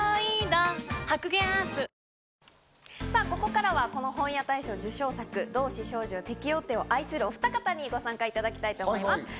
ここからはこの本屋大賞受賞作『同志少女よ、敵を撃て』を愛するおふた方にご参加いただきたいと思います。